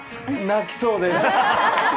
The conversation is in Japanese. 泣きそうです。